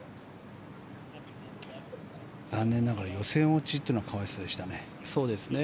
残念ながら予選落ちというのは可哀想でしたね。